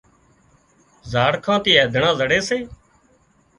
زاڙکان ٿي اينڌڻان زڙي سي